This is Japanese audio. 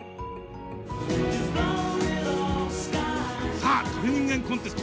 さあ、鳥人間コンテスト。